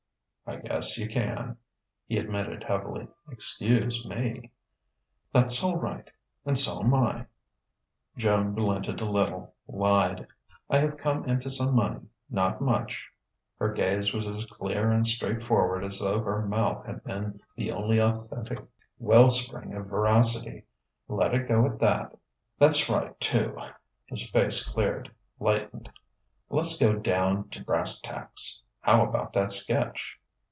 "I guess you can," he admitted heavily. "Excuse me." "That's all right and so'm I." Joan relented a little; lied: "I have come into some money not much." Her gaze was as clear and straightforward as though her mouth had been the only authentic well spring of veracity. "Let it go at that." "That's right, too." His face cleared, lightened. "Le's get down to brass tacks: how about that sketch?"